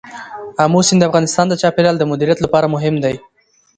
آمو سیند د افغانستان د چاپیریال د مدیریت لپاره مهم دی.